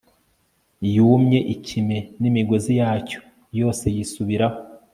yumye ikime n'imigozi yacyo yose yisubiraho